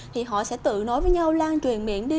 thì họ sẽ tự nói với nhau lan truyền miệng đi